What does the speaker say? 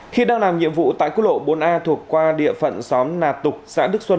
khi đang làm nhiệm vụ tại quốc lộ bốn a thuộc qua địa phận xóm nà tục xã đức xuân